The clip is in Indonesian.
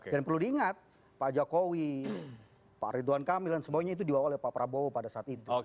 dan perlu diingat pak jokowi pak ridwan kamil dan semuanya itu diwawali pak prabowo pada saat itu